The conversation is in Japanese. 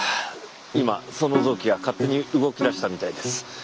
今その臓器が勝手に動きだしたみたいです。